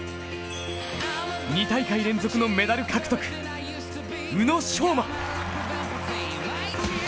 ２大会連続のメダル獲得、宇野昌磨。